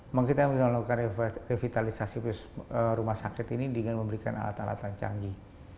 memang kita harus melakukan revitalisasi rumah sakit ini dengan memberikan alat alatan canggih